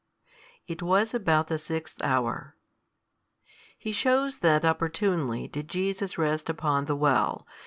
it was about the sixth hour. He shews that opportunely did Jesus rest upon the well.